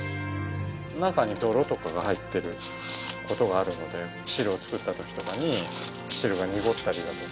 中に泥とかが入ってる事があるので汁を作った時とかに汁が濁ったりだとか。